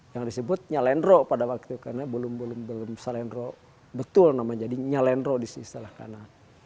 yang disebut nyalenro pada waktu itu karena belum belum salenro betul namanya jadi nyalenro disini